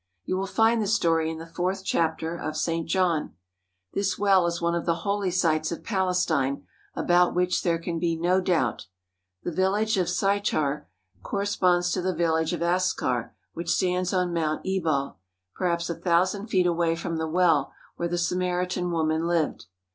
You will find the story in the fourth chap ter of St. John. This well is one of the holy sites of Palestine about which there can be no doubt. The village of Sychar corresponds to the village of Askar, which stands on Mount Ebal, perhaps a thousand feet away from the well where the Samaritan woman lived.